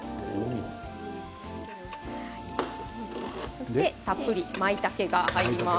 そして、たっぷりまいたけが入ります。